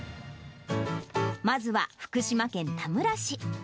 まずは、福島県田村市。